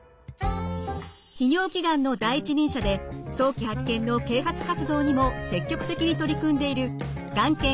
泌尿器がんの第一人者で早期発見の啓発活動にも積極的に取り組んでいるがん研